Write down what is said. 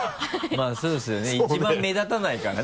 まぁそうですよね一番目立たないからね